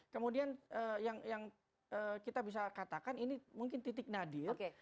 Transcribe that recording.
kemudian yang kita bisa katakan ini mungkin titik nadir